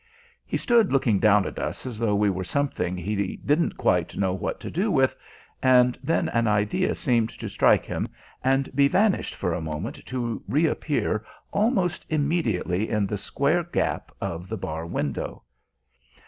He stood looking down at us as though we were something he didn't quite know what to do with, and then an idea seemed to strike him, and be vanished for a moment to reappear almost immediately in the square gap of the bar window.